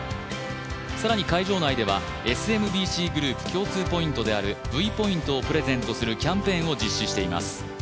更に、会場内ではＳＭＢＣグループ共通ポイントであるＶポイントをプレゼントするキャンペーンを実施しております